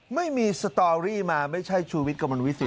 ไม่มีสตอรี่มาไม่ใช่ชูวิทย์กระมวลวิสิต